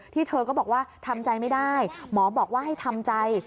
เธอก็บอกว่าทำใจไม่ได้หมอบอกว่าให้ทำใจ